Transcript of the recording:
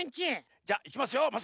じゃいきますよ！